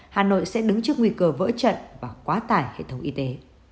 hà nội sẽ đứng trước nguy cơ vỡ trận và quá tải hệ thống y tế